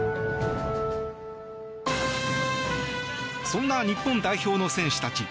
そんな日本代表の選手たち。